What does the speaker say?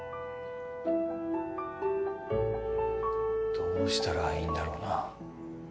どうしたらいいんだろうな。